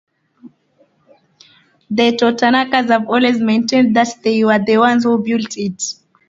The Totonacs have always maintained that they were the ones who built it.